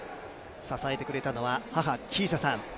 支えてくれたのは、母、キーシャさん。